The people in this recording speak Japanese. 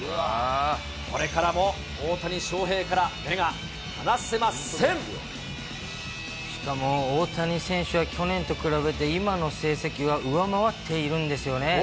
これからも大谷翔平から目が離せしかも大谷選手は、去年と比べて、今の成績は上回っているんですよね。